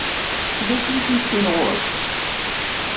D acu i tt-iwwin ɣur-s?